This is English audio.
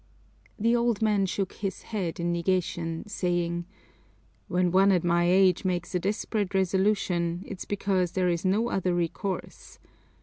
The old man shook his, head in negation, saying, "When one at my age makes a desperate resolution, it's because there is no other recourse.